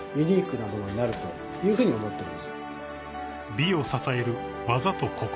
［美を支える技と心］